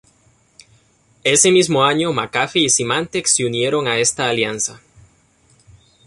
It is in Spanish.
Ese mismo año McAfee y Symantec se unieron a esta alianza.